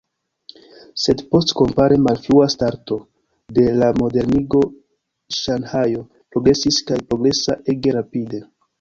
Sed post kompare malfrua starto de la modernigo Ŝanhajo progresis kaj progresas ege rapide.